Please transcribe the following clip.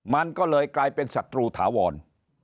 มันก็เลยกลายเป็นศัตรูถาวร